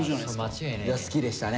好きでしたね。